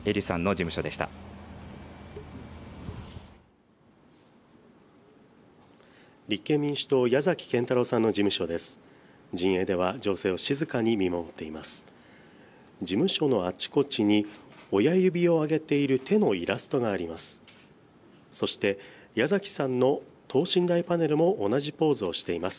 事務所のあちこちに親指を上げている手のイラストがあります。